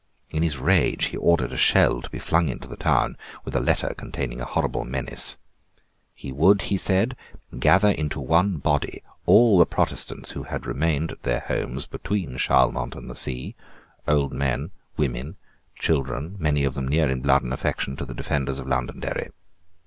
In his rage he ordered a shell to be flung into the town with a letter containing a horrible menace. He would, he said, gather into one body all the Protestants who had remained at their homes between Charlemont and the sea, old men, women, children, many of them near in blood and affection to the defenders of Londonderry.